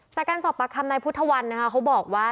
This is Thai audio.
จากการสอบปากคำนายพุทธวันนะคะเขาบอกว่า